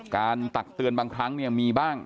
การตักเตือนบางครั้งมีบ้าง